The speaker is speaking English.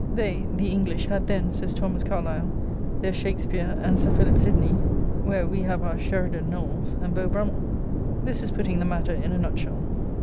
" They [the English] had then,*' says Thomas Carlyle, " their Shake speare and Sir Philip Sidney, where we have our Sheridan Knowles and Beau^rummel."* This is putting the* matter in a nutshell.